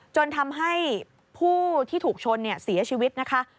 จนทำให้ผู้ที่ถูกชนเสียชีวิตนะคะ